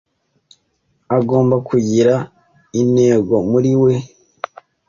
agomba kugira integomuri we